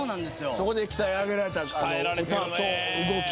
そこで鍛え上げられた歌と動き。